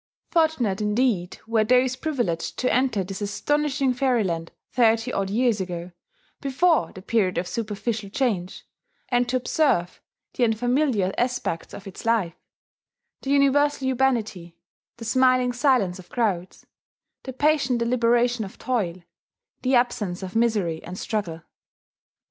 Fortunate indeed were those privileged to enter this astonishing fairyland thirty odd years ago, before the period of superficial change, and to observe the unfamiliar aspects of its life: the universal urbanity, the smiling silence of crowds, the patient deliberation of toil, the absence of misery and struggle.